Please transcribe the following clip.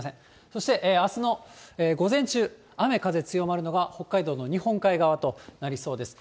そしてあすの午前中、雨風強まるのが北海道の日本海側となりそうです。